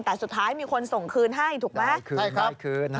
แต่สุดท้ายมีคนส่งคืนให้ถูกไหมได้คืนครับ